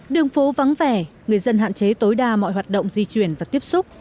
đường phố vắng vẻ người dân hạn chế tối đa mọi hoạt động di chuyển và tiếp xúc